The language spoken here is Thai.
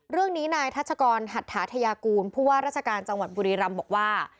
เรื่องนี้นายทัชกรหัตถาธยากูลผู้ว่าราชการจังหวัดบุรีรำบอกว่า